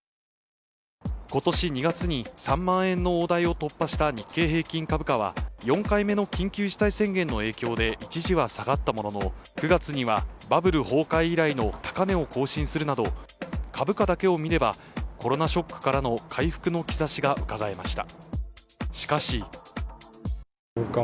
今年２月に３万円の大台を突破した日経平均株価は、４回目の緊急事態宣言の影響で一時は下がったものの、９月にはバブル崩壊以来の高値を更新するなど株価だけを見ればコロナショックからの回復の兆しがうかがえました。